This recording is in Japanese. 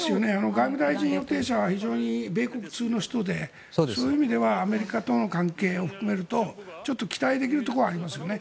外務大臣予定者は非常に米国通の人でそういう意味じゃアメリカとの関係を含めると期待できるところはありますよね。